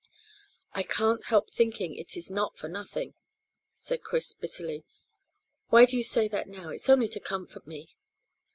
"I can't help thinking it is not for nothing," said Chris bitterly. "Why do you say that now? It's only to comfort me."